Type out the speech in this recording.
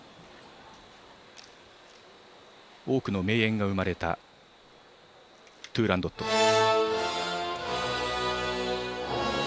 多くの名演が生まれた「トゥーランドット」。